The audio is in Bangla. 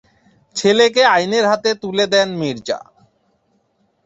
ছেলেকে আইনের হাতে তুলে দেন মির্জা।